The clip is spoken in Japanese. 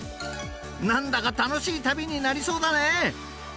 ［何だか楽しい旅になりそうだね］